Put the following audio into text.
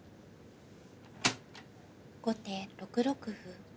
後手６六歩。